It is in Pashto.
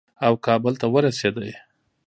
او کابل ته ورسېد.